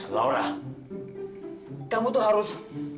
laura kamu tuh harus